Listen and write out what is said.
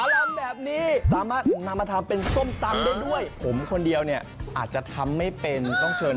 หวานจากอินตภารมณ์แท้เลย